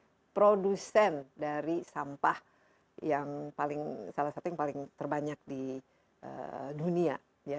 jadi produsen dari sampah yang paling salah satunya yang paling terbanyak di dunia